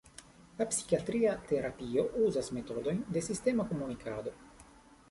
La psikiatria terapio uzas metodojn de sistema komunikado.